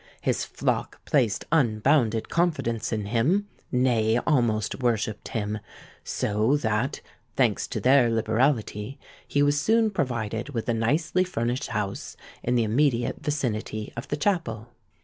His flock placed unbounded confidence in him—nay almost worshipped him; so that, thanks to their liberality, he was soon provided with a nicely furnished house in the immediate vicinity of the chapel.